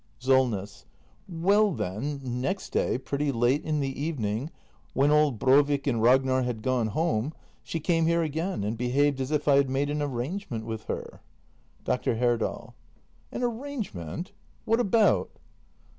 SOLNESS. Well then, next day, pretty late in the evening, when old Brovik and Ragnar had gone home, she came here again, and behaved as if I had made an arrangement with her. Dr. Herdal. An arrangement ? What about